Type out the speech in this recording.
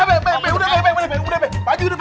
be be udah be udah be